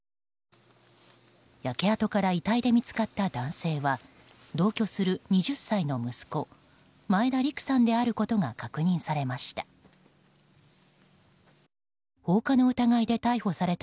焼け跡から遺体で見つかった男性は同居する２０歳の息子前田陸さんであることが確認されました。